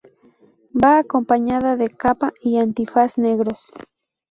Va acompañada de capa y antifaz negros.